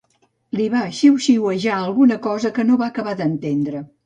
Li va xiuxiuejar alguna cosa que no va acabar d'entendre.